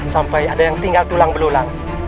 sampai ada yang tinggal tulang belulang